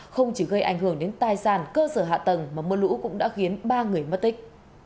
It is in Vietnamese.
không chỉ gây ảnh hưởng đến tài sản cơ sở hạ tầng mà mưa lũ cũng đã khiến ba người mất tích